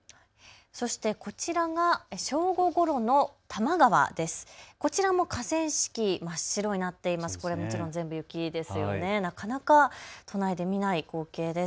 そしてこちらが正午ごろの多摩川です。